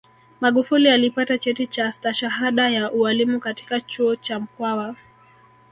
magufuli alipata cheti cha stashahada ya ualimu katika chuo cha mkwawa